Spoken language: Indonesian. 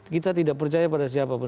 kita tidak percaya pada siapapun